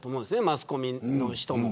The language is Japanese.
マスコミの人も。